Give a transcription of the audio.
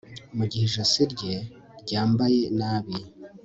Mugihe ijosi rye ryambaye nabi